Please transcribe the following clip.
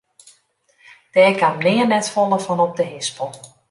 Dêr kaam nea net folle fan op de hispel.